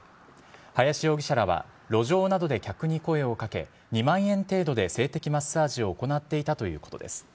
林容疑者らは路上などで客に声をかけ２万円程度で性的マッサージを行っていたということです。